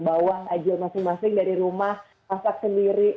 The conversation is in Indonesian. bawa takjil masing masing dari rumah masak sendiri